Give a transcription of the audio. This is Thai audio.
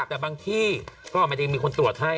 แต่บางที่ก็ไม่ได้มีคนตรวจให้